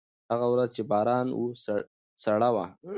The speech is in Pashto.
هغه ورځ چې باران و، سړه وه.